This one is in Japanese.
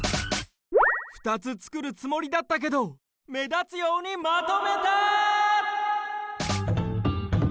２つ造るつもりだったけど目立つようにまとめた！